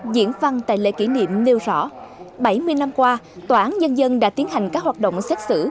diễn văn tại lễ kỷ niệm nêu rõ bảy mươi năm qua tòa án nhân dân đã tiến hành các hoạt động xét xử